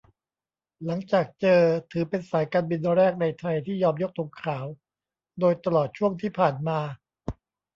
หลังจากเจอ ถือเป็นสายการบินแรกในไทยที่ยอมยกธงขาว โดยตลอดช่วงที่ผ่านมา